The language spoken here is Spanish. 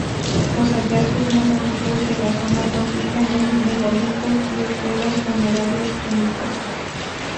Los hallazgos más antiguos de la zona consisten en megalitos y estelas funerarias púnicas.